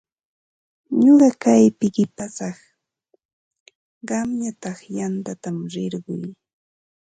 Ñuqa kaypi qipasaq, qamñataq yantaman rirquy.